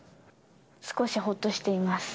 少しほっとしています。